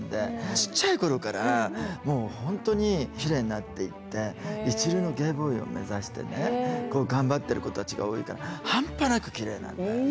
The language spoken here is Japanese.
ちっちゃい頃からもう本当にキレイになっていって一流のゲイボーイを目指してねこう頑張ってる子たちが多いから半端なくキレイなんだよね。